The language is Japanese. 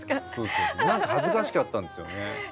何か恥ずかしかったんですよね。